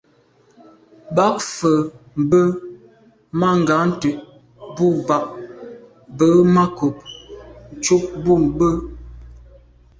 Bə̌k fə̀ mbə́ má ngǎtə̀' bû bá bə̌ má kòb ncúp bú mbə̄.